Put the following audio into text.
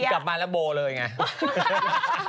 กลับมาแล้วโบเลยไง